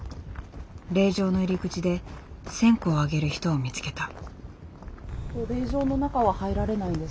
霊場の入り口で線香をあげる人を見つけた。